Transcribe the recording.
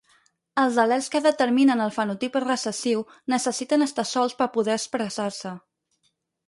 Els al·lels que determinen el fenotip recessiu necessiten estar sols per poder expressar-se.